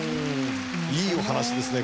いいお話ですね